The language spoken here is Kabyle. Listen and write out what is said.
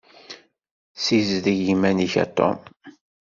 Ssizdeg iman-ik a Tom.